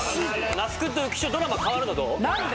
那須君と浮所変わるのどう？